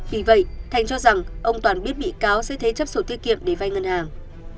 vì vậy thành cho rằng ông toàn biết bị cáo sẽ thế chấp sổ tiết kiệm để vay ngân hàng